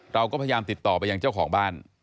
เราก็พยายามติดต่อไปยังเจ้าของบ้าน